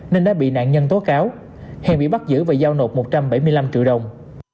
nên đã bị nạn nhân tố cáo hiền bị bắt giữ và giao nộp một trăm bảy mươi năm triệu đồng